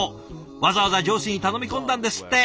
わざわざ上司に頼み込んだんですって。